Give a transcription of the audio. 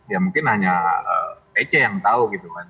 ya mungkin hanya pc yang tahu gitu kan